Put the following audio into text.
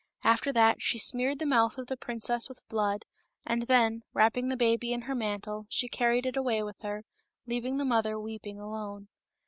After that she smeared the mouth of the princess with blood, and then, wrapping the baby in her mantle, she carried it away with her, leaving the mother weeping alone.